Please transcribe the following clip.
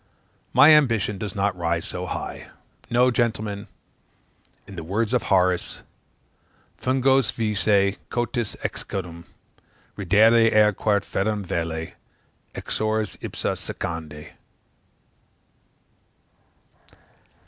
My ambition does not rise so high. No, gentlemen, in the words of Horace, " fungos vice cotis, excutum Reddere ere quæ ferrum valet, exsors ipsa secandi."